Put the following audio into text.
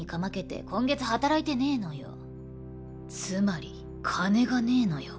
つまり金がねえのよ。